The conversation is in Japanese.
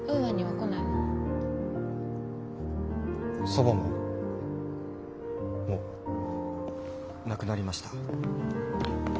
祖母ももう亡くなりました。